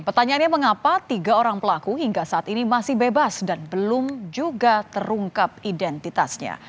pertanyaannya mengapa tiga orang pelaku hingga saat ini masih bebas dan belum juga terungkap identitasnya